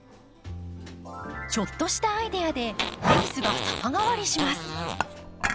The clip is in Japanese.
ちょっとしたアイデアでリースが様変わりします。